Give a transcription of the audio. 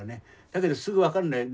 だけどすぐ分かるんだよ。